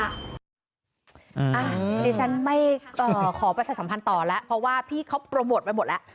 อันนี้ฉันไม่ขอประชาสัมพันธ์ต่อแล้วเพราะว่าพี่เขาโปรโมทไปหมดแล้ว